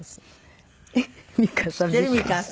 美川さん。